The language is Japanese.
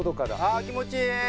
ああ気持ちいい！